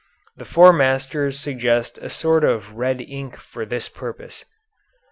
The Four Masters suggest a sort of red ink for this purpose.